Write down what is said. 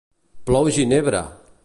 Plou ginebra!